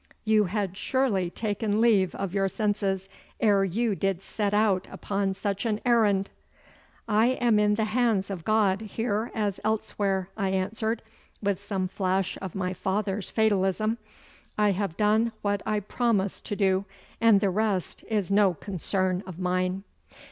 You had surely taken leave of your senses ere you did set out upon such an errand!' 'I am in the hands of God here as elsewhere,' I answered, with some flash of my father's fatalism. 'I have done what I promised to do, and the rest is no concern of mine.